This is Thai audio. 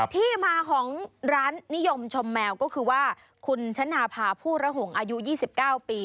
ที่มาของร้านนิยมชมแมวก็คือว่าคุณชนะพาผู้ระหงอายุ๒๙ปี